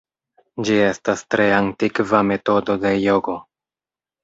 Ĝi estas tre antikva metodo de jogo.